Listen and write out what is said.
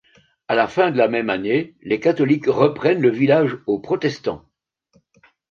À la fin de la même année, les catholiques reprennent le village aux protestants.